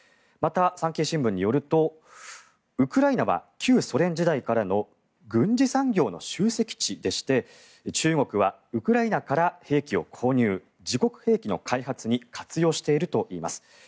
また、産経新聞によるとウクライナは旧ソ連時代からの軍事産業の集積地でして中国はウクライナから兵器を購入自国兵器の開発に活用しているといいます。